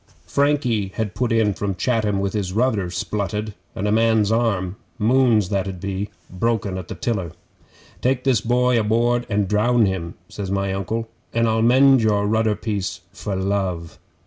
Frankie had put in from Chatham with his rudder splutted, and a man's arm Moon's that 'ud be broken at the tiller. "Take this boy aboard an' drown him," says my Uncle, "and I'll mend your rudder piece for love."